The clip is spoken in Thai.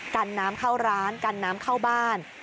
กันน้ำเข้าร้านกันน้ำเข้าบ้าน